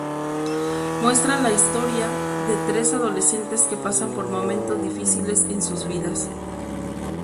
Muestra las historia de tres adolescentes que pasan por momento difíciles en sus vidas.